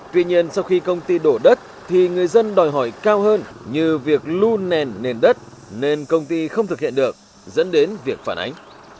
tuy nhiên sau khi công ty đổ đất thì người dân đòi hỏi cao hơn như việc lưu nền đất nên công ty không thực hiện được dẫn đến việc phản ánh